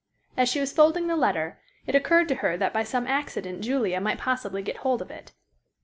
As she was folding the letter it occurred to her that by some accident Julia might possibly get hold of it.